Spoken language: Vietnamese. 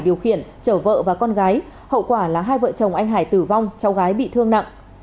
điều khiển chở vợ và con gái hậu quả là hai vợ chồng anh hải tử vong cháu gái bị thương nặng